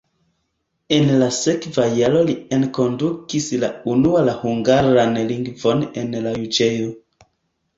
En la sekva jaro li enkondukis la unua la hungaran lingvon en la juĝejo.